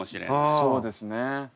そうですね。